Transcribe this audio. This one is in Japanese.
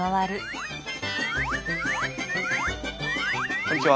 こんにちは。